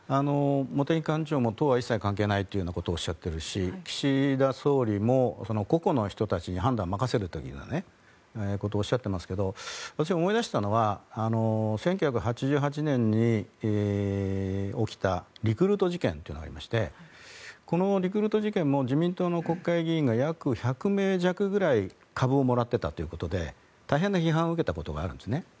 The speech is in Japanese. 茂木幹事長も党は一切関係ないというようなことをおっしゃっているし岸田総理も個々の人たちに判断を任せるということをおっしゃってますけど私、思い出したのは１９８８年に起きたリクルート事件というのがありましてこのリクルート事件も自民党の国会議員が約１００名弱ぐらい株をもらってたということで大変な批判を受けたことがあるんですね。